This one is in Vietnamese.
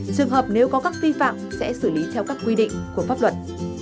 trường hợp nếu có các vi phạm sẽ xử lý theo các quy định của pháp luật